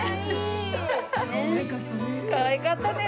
かわいかったね。